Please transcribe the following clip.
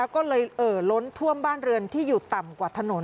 ก็เลยเอ่อล้นท่วมบ้านเรือนที่อยู่ต่ำกว่าถนน